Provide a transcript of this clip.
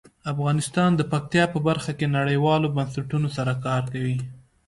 افغانستان د پکتیا په برخه کې نړیوالو بنسټونو سره کار کوي.